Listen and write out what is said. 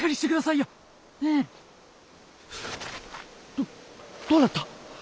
どっどうなった？